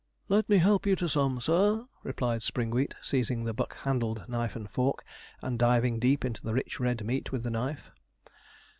'Let me help you to some, sir,' replied Mr. Springwheat, seizing the buck handled knife and fork, and diving deep into the rich red meat with the knife.